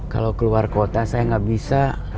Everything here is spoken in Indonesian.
kalau keluar kota saya nggak bisa